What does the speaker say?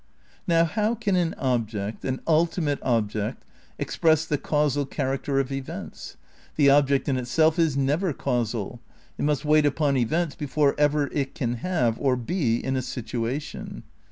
Now how can an object, an ultimate object, "express the causal character of events?" The object in itself is never causal. It must wait upon events before ever it can have or be in a " situation.